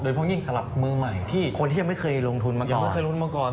โดยเพราะยิ่งสลับมือใหม่คนที่ยังไม่เคยลงทุนมาก่อน